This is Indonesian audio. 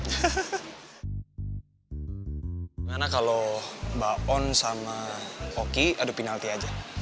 gimana kalau mbak on sama oki adu penalti aja